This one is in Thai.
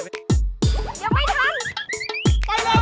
มันไปแล้ว